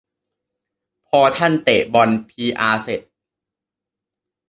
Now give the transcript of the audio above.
พอท่านเตะบอลพีอาร์เสร็จ